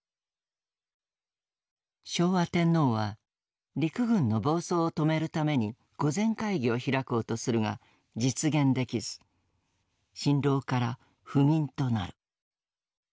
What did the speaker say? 昭和天皇は陸軍の暴走を止めるために御前会議を開こうとするが実現できず心労から「不眠」となる。